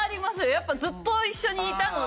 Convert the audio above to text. やっぱずっと一緒にいたので。